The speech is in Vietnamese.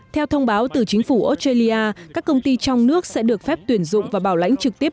theo thông báo từ chính phủ australia các công ty trong nước sẽ được phép tuyển dụng và bảo lãnh trực tiếp